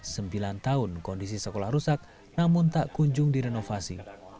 sembilan tahun kondisi sekolah rusak namun tak kunjung direnovasi